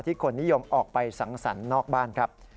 คนนิยมออกไปสังสรรค์นอกบ้านครับ